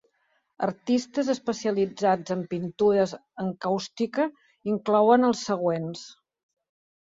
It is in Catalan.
Artistes especialitzats en pintures encàustica inclouen els següents: